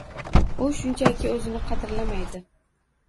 U shunchaki o'zini qadrlamaydi